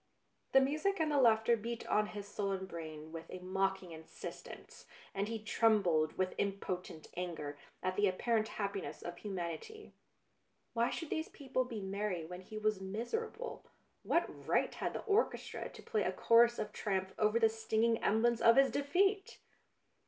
The music and the laughter beat on his sullen brain with a mocking insistence, and he trembled with impotent anger at the ap parent happiness of humanity. Why should these people be merry when he was miser able, what right had the orchestra to play a chorus of triumph over the stinging em blems of his defeat